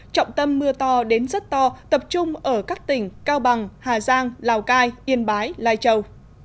trọng tâm mưa to đến rất to tập trung ở các tỉnh cao bằng hà giang lào cai yên bái lai châu